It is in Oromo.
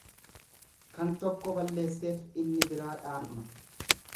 Kan tokko balleesseef inni biraa dhaanama.